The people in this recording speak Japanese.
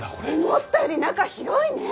思ったより中広いね。